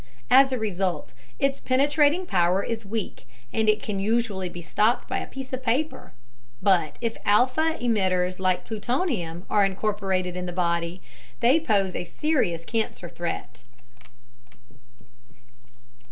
As a result, its penetrating power is weak, and it can usually be stopped by a piece of paper. But if alpha emitters like plutonium are incorporated in the body, they pose a serious cancer threat.